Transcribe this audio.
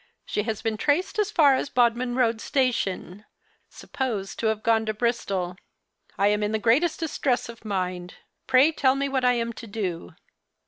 She has been traced as lar as Bodmin road Station ; supposed to have gone to Bristol. I am in the greatest distress of mind. Pray tell me what I am to do.